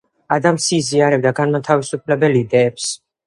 ადამსი იზიარებდა განმათავისუფლებელ იდეებს.